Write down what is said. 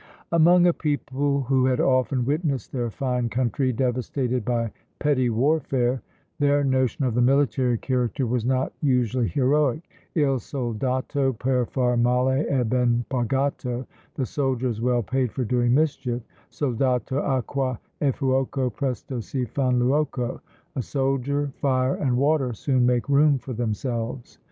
Among a people who had often witnessed their fine country devastated by petty warfare, their notion of the military character was not usually heroic. Il soldato per far male è ben pagato: "The soldier is well paid for doing mischief." Soldato, acqua, e fuoco, presto si fan luoco: "A soldier, fire, and water soon make room for themselves."